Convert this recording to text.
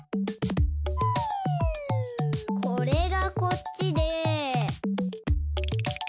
これがこっちで。